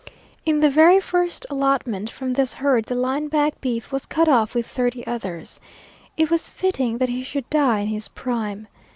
In the very first allotment from this herd the line back beef was cut off with thirty others. It was fitting that he should die in his prime.